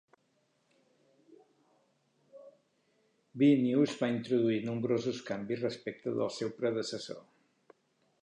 B News va introduir nombrosos canvis respecte del seu predecessor.